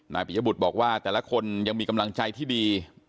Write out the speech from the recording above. ปิยบุตรบอกว่าแต่ละคนยังมีกำลังใจที่ดี